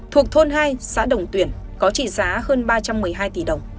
thuộc thôn hai xã đồng tuyển có trị giá hơn ba trăm một mươi hai tỷ đồng